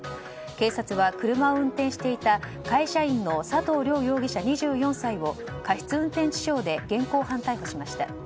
警察は車を運転していた会社員の佐藤亮容疑者、２４歳を過失運転致傷で現行犯逮捕しました。